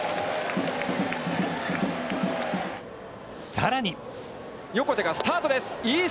さらに横手がスタート！